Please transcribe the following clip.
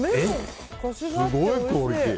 すごいクオリティー！